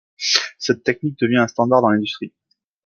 Cette technique devient un standard dans l'industrie.